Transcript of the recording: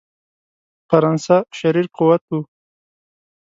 فرانسه شریر قوت وو.